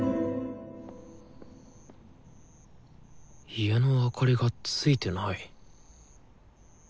家の明かりがついてない。